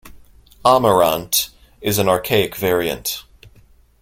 "Amarant" is an archaic variant.